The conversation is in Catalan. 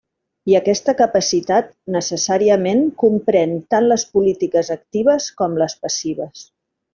I aquesta capacitat, necessàriament, comprèn tant les polítiques actives com les passives.